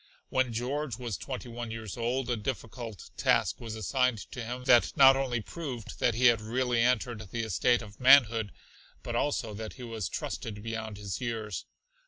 When George was twenty one years old a difficult task was assigned to him that not only proved that he had really entered the estate of manhood, but also that he was trusted beyond his years.